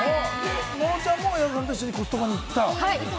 野呂ちゃんも矢田さんと一緒にコストコ行った？